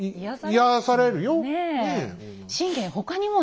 癒やされるよねえ。